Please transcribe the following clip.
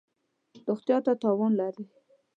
روغتیا ته تاوان لری